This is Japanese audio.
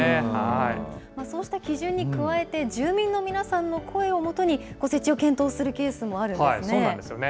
そうした基準に加えて、住民の皆さんの声をもとに設置を検討するケースもあるんですね。